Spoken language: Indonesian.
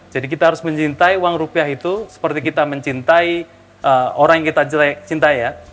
jadi kita harus mencintai uang rupiah itu seperti kita mencintai orang yang kita cintai ya